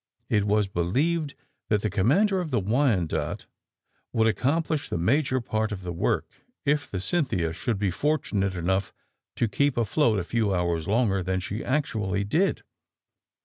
It was believed that the Commander of the *Wyanoke' would ac complish the major part of the work if the * Cynthia' should be fortunate enough to keep afloat a few hours longer than she actually did.